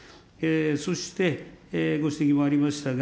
そしてご指摘もありましたが、